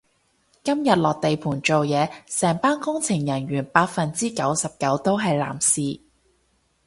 今日落地盤做嘢，成班工程人員百分之九十九都係男士